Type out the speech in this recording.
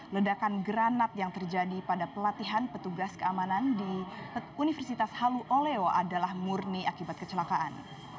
ledakan granat yang terjadi pada pelatihan petugas keamanan di universitas halu oleo adalah murni akibat kecelakaan